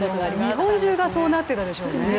日本中がそうなってたでしょうね。